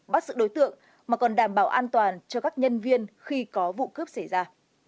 bắt sự đối tượng mà còn đảm bảo an toàn cho các nhân viên khi có vụ cướp xảy ra